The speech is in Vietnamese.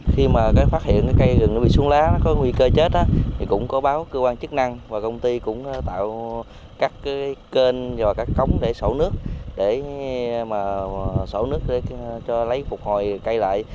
khi mà phát hiện cây rừng bị xuống lá có nguy cơ chết thì cũng có báo cơ quan chức năng và công ty cũng tạo các kênh và các cống để sổ nước để sổ nước cho lấy phục hồi cây lại